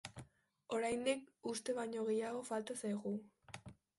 Oraindik uste baino gehiago falta zaigu.